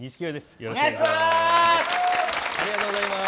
よろしくお願いします。